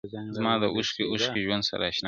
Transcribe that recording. زما د اوښکي ـ اوښکي ژوند سره اشنا ملگري,